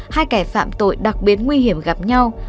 hai kẻ phạm tội đặc biệt nguy hiểm gặp nhau